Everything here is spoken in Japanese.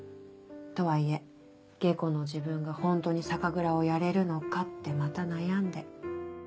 とはいえ下戸の自分がホントに酒蔵をやれるのかってまた悩んで。